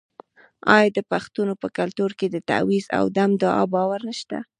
آیا د پښتنو په کلتور کې د تعویذ او دم دعا باور نشته؟